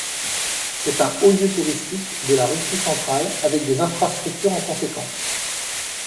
C'est un haut-lieu touristique de la Russie centrale avec des infrastructures en conséquence.